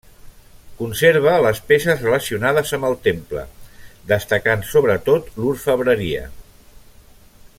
Conserva les peces relacionades amb el temple, destacant sobretot l'orfebreria.